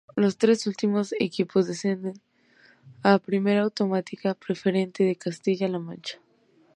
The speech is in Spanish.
Los tres últimos equipos descienden a Primera Autonómica Preferente de Castilla-La Mancha.